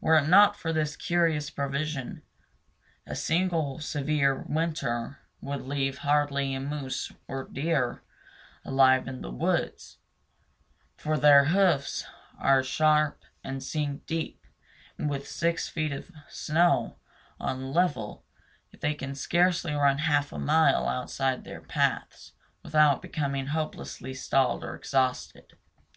Were it not for this curious provision, a single severe winter would leave hardly a moose or a deer alive in the woods; for their hoofs are sharp and sink deep, and with six feet of snow on a level they can scarcely run half a mile outside their paths without becoming hopelessly stalled or exhausted.